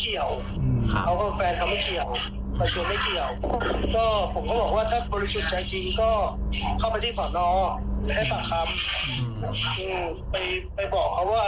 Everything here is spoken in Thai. ถ้าผมไม่ได้สั่งจริงก็เข้าไปบอกเขา